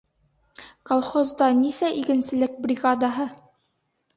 Колхозда нисә игенселек бригадаһы?